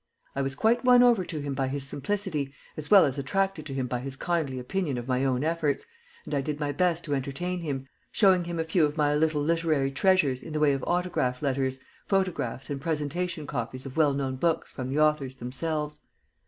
I was quite won over to him by his simplicity, as well as attracted to him by his kindly opinion of my own efforts, and I did my best to entertain him, showing him a few of my little literary treasures in the way of autograph letters, photographs, and presentation copies of well known books from the authors themselves.